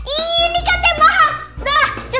ini kta yang mahal